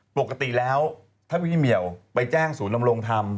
ปกติแล้วถ้าพี่เหมียวไปแจ้งศูนย์นำรงธรรม